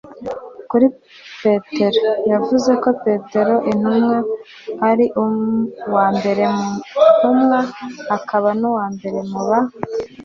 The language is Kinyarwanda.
kuri petero, yavuze ko petero intumwa ari uwa mbere mu ntumwa akaba n'uwa mbere mu ba